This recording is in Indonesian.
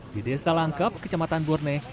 di desa langkap kecamatan burne